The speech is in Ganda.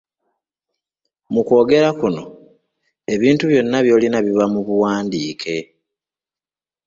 Mu kwogera kuno, ebintu byonna by’olina biba mu buwandiike.